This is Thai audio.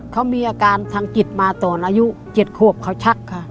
เขามีอาการทางจิตมาตอนอายุ๗ขวบเขาชักค่ะ